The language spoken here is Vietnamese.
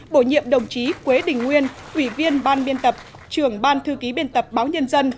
bổ nhiệm đồng chí quế đình nguyên ủy viên ban biên tập trưởng ban thư ký biên tập báo nhân dân